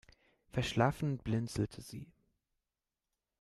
Verschlafen blinzelte sie.